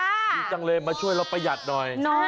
ดีจังเลยมาช่วยเราประหยัดหน่อย